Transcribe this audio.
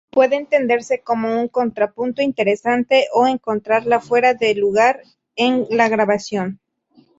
Puede entenderse como un contrapunto interesante o encontrarla fuera de lugar en la grabación.